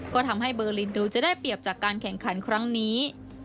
ก็ทำให้เบอร์ลินดูจะได้เปรียบจากการแข่งขันครั้งนี้